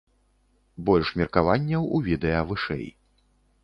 Больш меркаванняў у відэа вышэй.